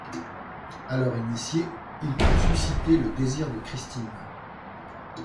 Alors initié, il peut susciter le désir de Christine.